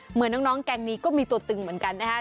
เหมือนน้องแก๊งนี้ก็มีตัวตึงเหมือนกันนะครับ